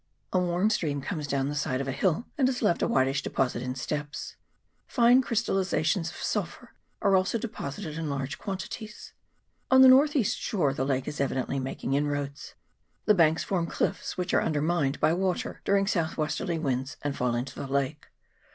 A warm stream comes down the side of a hill, and has left a whitish deposit in steps ; fine crystalliza tions of sulphur are also deposited in large quantities. On the north east shore the lake is evidently making inroads. The hanks form cliffs, which are under mined by the water during south westerly winds, and fall into the lake.